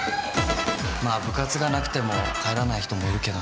まあ部活がなくても帰らない人もいるけどね。